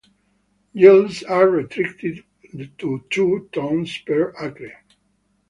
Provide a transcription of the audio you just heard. Yields are restricted to two tons per acre.